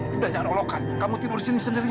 sudah jangan olokan kamu tidur disini sendiri ya